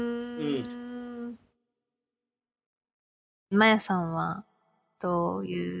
マヤさんはどういう？